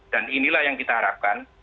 dan inilah yang kita harapkan